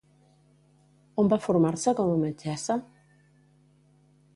On va formar-se com a metgessa?